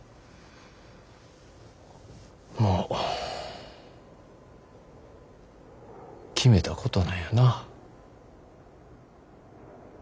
もう決めたことなんやな。